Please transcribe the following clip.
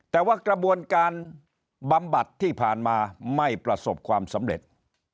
แต่ว่ากระบวนการบำบัดที่ผ่านมาไม่ประสบความสำเร็จ